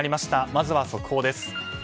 まずは速報です。